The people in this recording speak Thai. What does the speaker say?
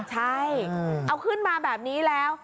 ใช่เอาขึ้นมาแบบนี้แล้ว